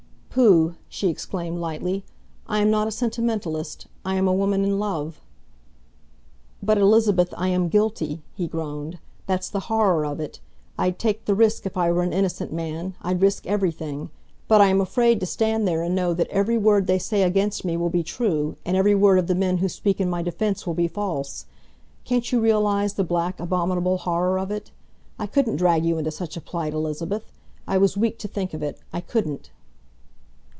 "Pooh!" she exclaimed lightly. "I am not a sentimentalist. I am a woman in love." "But, Elizabeth, I am guilty!" he groaned. "That's the horror of it! I'd take the risk if I were an innocent man I'd risk everything. But I am afraid to stand there and know that every word they say against me will be true, and every word of the men who speak in my defence will be false. Can't you realise the black, abominable horror of it? I couldn't drag you into such a plight, Elizabeth! I was weak to think of it. I couldn't!"